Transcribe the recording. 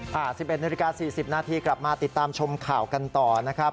๑๑นาฬิกา๔๐นาทีกลับมาติดตามชมข่าวกันต่อนะครับ